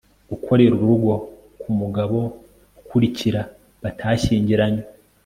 Gukorera urugo kumugabo ukurikira batashyingiranywe